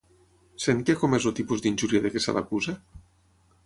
Sent que ha comès el tipus d'injúria de què se l'acusa?